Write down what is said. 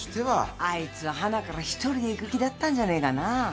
あいつははなから一人で行く気だったんじゃねえかな。